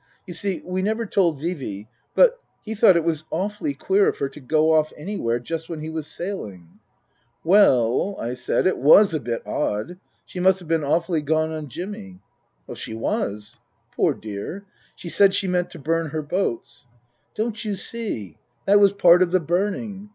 You see we never told Vee Vee, but he thought it was awfully queer of her to go off anywhere just when he was sailing." " Well," I said, " it was a bit odd. She must have been awfully gone on Jimmy." " She was." " Poor dear. She said she meant to burn her boats." " Don't you see that was part of the burning.